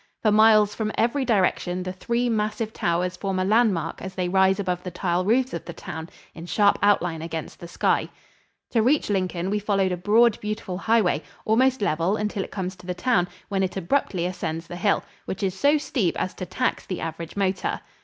For miles from every direction the three massive towers form a landmark as they rise above the tile roofs of the town in sharp outline against the sky. To reach Lincoln we followed a broad, beautiful highway, almost level until it comes to the town, when it abruptly ascends the hill, which is so steep as to tax the average motor.